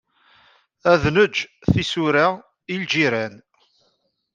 Ad neǧǧ tisura i lǧiran.